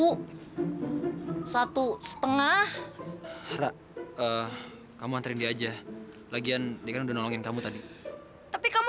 hai satu setengah harap kamu anterin dia aja lagian dengan udah nolongin kamu tadi tapi kamu